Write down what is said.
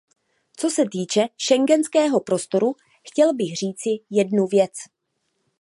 Co se týče schengenského prostoru, chtěl bych říci jednu věc.